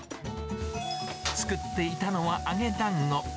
作っていたのは揚げだんご。